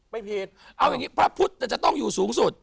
ไม่ผิดเอาอย่างนี้พระพุทธจะต้องอยู่สูงสุด